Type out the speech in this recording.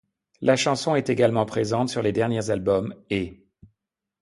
La chanson est également présente sur les derniers albums ' et '.